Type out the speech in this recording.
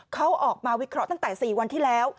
เขาออกมาวิเคราะห์ตั้งแต่๔วันที่แล้ว